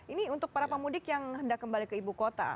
ini untuk para pemudik yang hendak kembali ke ibu kota